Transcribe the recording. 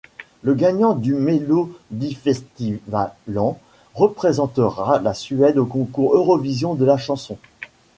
Le gagnant du Melodifestivalen représentera la Suède au Concours Eurovision de la chanson.